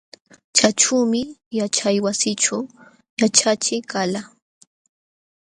Chaćhuumi yaćhaywasićhu yaćhachiq kalqa.